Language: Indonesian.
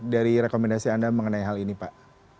dari rekomendasi anda mengenai hal ini pak